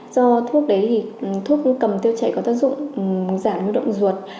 do thuốc đấy thì thuốc cầm tiêu chảy có tác dụng giảm nguy động ruột